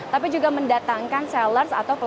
tapi juga mendatangkan sellers yang datang dari indonesia